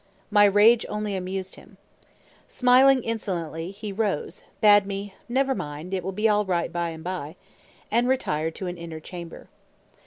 My rage only amused him. Smiling insolently, he rose, bade me, "Never mind: it will be all right by and by," and retired to an inner chamber.